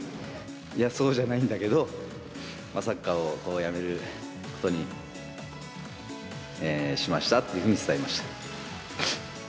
いや、そうじゃないんだけど、サッカーをやめることにしましたっていうふうに伝えました。